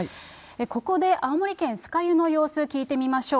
ここで青森県酸ヶ湯の様子、聞いてみましょう。